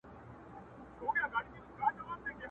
تیاره پر ختمېده ده څوک به ځي څوک به راځي!.